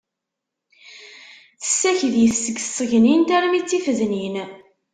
Tessaked-it seg tṣegnint armi d tifednin.